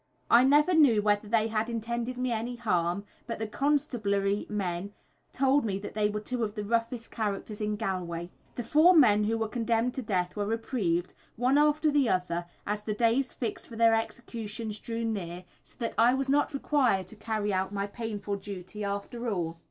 I never knew whether they had intended me any harm, but the constabulary men told me that they were two of the roughest characters in Galway. The four men who were condemned to death were reprieved, one after the other, as the days fixed for their executions drew near, so that I was not required to carry out my painful duty after all.